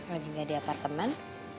lagi gak di apartemen